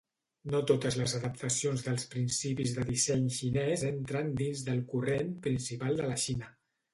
No totes les adaptacions dels principis de disseny xinès entren dins del corrent principal de la Xina.